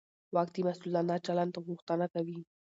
واک د مسوولانه چلند غوښتنه کوي.